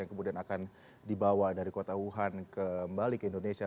yang kemudian akan dibawa dari kota wuhan kembali ke indonesia